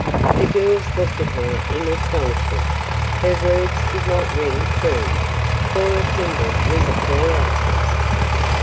The girls looked at her in astonishment. Her words did not ring true; Cora Kimball was a poor actress.